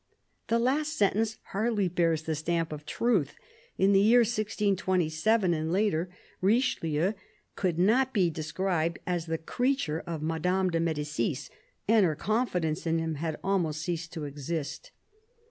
The last sentence hardly bears the stamp of truth. In the year 1627 and later, Riohelieu could not be described as the creature of Marie de M6dicis, and her confidence in him had almost ceased to exist.